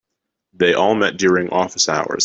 They all met during office hours.